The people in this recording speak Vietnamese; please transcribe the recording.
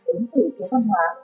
ứng xử với văn hóa